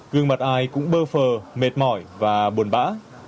gương mặt ai cũng bơ phờ mệt mỏi và buồn bã